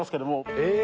え！